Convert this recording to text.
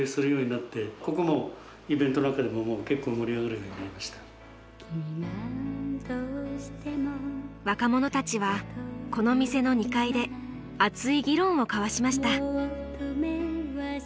その話を聞きつけて若者たちはこの店の２階で熱い議論を交わしました。